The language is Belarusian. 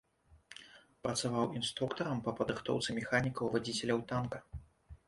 Працаваў інструктарам па падрыхтоўцы механікаў-вадзіцеляў танка.